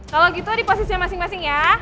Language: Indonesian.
kalau gitu di posisinya masing masing ya